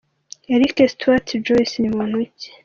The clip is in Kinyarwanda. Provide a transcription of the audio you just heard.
Eric Stuart Joyce ni muntu ki?